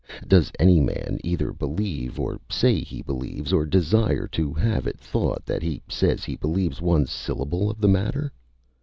Does any man either believe, or say he believes, or desire to have it thought that he says he believes, one syllable of the matter?